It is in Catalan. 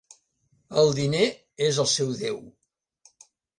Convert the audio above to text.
El diner és el seu déu.